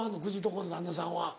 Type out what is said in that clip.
この旦那さんは。